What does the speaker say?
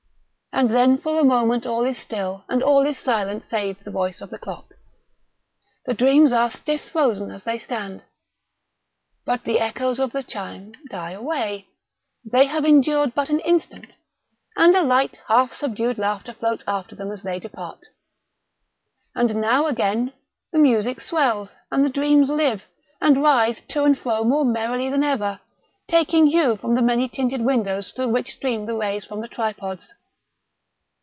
And then, for a moment, all is still, and all is silent save the voice of the clock. The dreams are stiff frozen as they stand. But the echoes of the chime die away—they have endured but an instant—and a light, half subdued laughter floats after them as they depart. And now again the music swells, and the dreams live, and writhe to and fro more merrily than ever, taking hue from the many tinted windows through which stream the rays from the tripods.